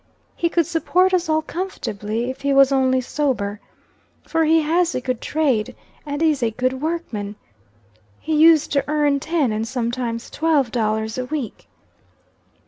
He could support us all comfortably, if he was only sober; for he has a good trade, and is a good workman. He used to earn ten and sometimes twelve dollars a week."